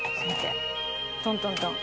トントントン。